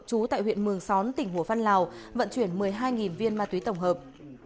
chú tại huyện mường xón tỉnh hùa phan lào vận chuyển một mươi hai viên ma túy tổng hợp